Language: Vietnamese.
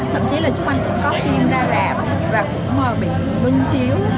thậm chí là chúng mình cũng có phim ra rạp và cũng bị bưng chiếu